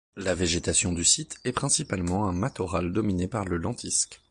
La végétation du site est principalement un matorral dominé par le lentisque.